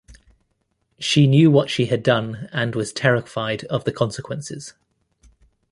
She knew what she had done and was terrified of the consequences.